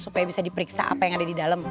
supaya bisa diperiksa apa yang ada di dalam